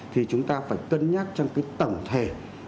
thì chúng ta phải cân nhắc trong cái tổng thể